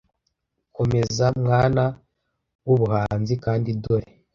Komeza, mwana wubuhanzi! kandi, dore!